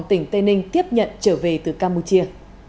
tỉnh tây ninh tiếp nhận trở về từ campuchia